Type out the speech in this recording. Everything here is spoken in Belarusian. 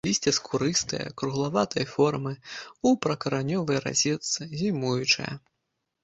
Лісце скурыстае, круглаватай формы, у прыкаранёвай разетцы, зімуючае.